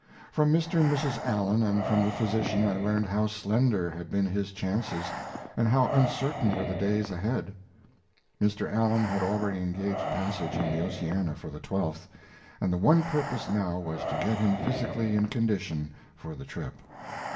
From Mr. and Mrs. Allen and from the physician I learned how slender had been his chances and how uncertain were the days ahead. Mr. Allen had already engaged passage on the Oceana for the 12th, and the one purpose now was to get him physically in condition for the trip.